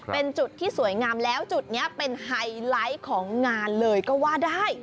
เป็นจุดที่สวยงามแล้วจุดนี้เป็นไฮไลท์ของงานเลยก็ว่าได้